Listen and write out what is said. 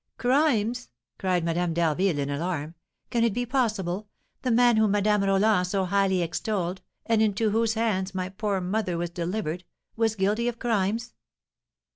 "Crimes!" cried Madame d'Harville, in alarm; "can it be possible, the man whom Madame Roland so highly extolled, and into whose hands my poor mother was delivered, was guilty of crimes?